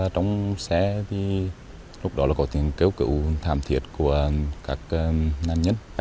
trong xe có tiếng kêu cửu thảm thiệt của các nạn nhân